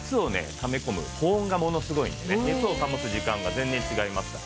ため込む保温がものすごいんでね熱を保つ時間が全然違いますから。